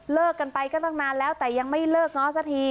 กันไปก็ตั้งนานแล้วแต่ยังไม่เลิกง้อสักที